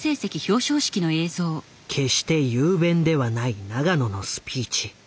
決して雄弁ではない永野のスピーチ。